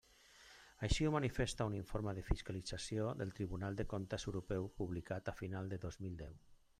Així ho manifesta un informe de fiscalització del Tribunal de Comptes Europeu publicat a final del dos mil deu.